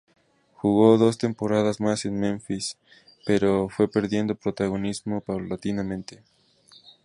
Jugó dos temporadas más en Memphis, pero fue perdiendo protagonismo paulatinamente.